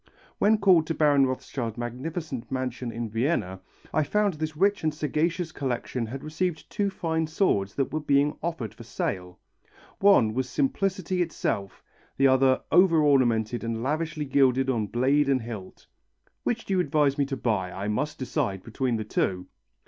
When called to Baron Rothschild's magnificent mansion in Vienna, I found this rich and sagacious collector had received two fine swords that were being offered for sale. One was simplicity itself, the other over ornamented and lavishly gilded on blade and hilt. "Which do you advise me to buy? I must decide between the two."